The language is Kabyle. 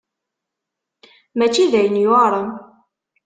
Mačči d ayen yuɛren.